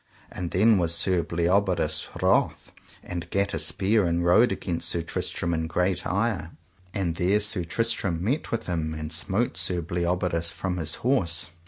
And then was Sir Bleoberis wroth, and gat a spear and rode against Sir Tristram in great ire; and there Sir Tristram met with him, and smote Sir Bleoberis from his horse.